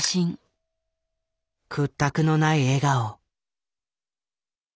屈託のない笑顔。